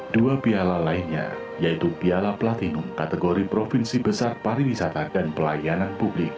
dua piala lainnya yaitu piala platinum kategori provinsi besar pariwisata dan pelayanan publik